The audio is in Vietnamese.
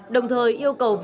đồng thời yêu cầu vợ